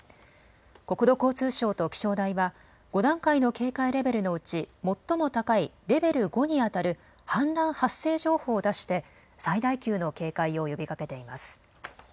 国土交通省と気象台は５段階の警戒レベルのうち最も高いレベル５にあたる氾濫発生情報を出して最大級の警戒を呼びかけています。